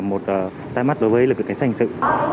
một tay mắt đối với cái sanh sự